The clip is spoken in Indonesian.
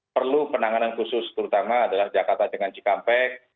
perlu penanganan khusus terutama adalah jakarta dengan cikampek